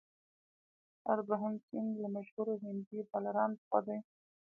هربهن سنګ له مشهورو هندي بالرانو څخه دئ.